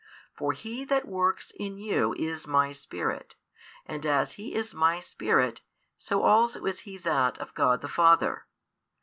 For He that works in you is My Spirit, and as He is My Spirit, so also is He That of God the Father.